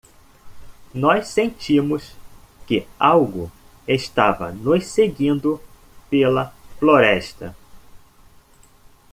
Nós sentimos que algo estava nos seguindo pela floresta.